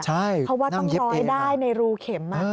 เพราะว่าต้องย้อยได้ในรูเข็ม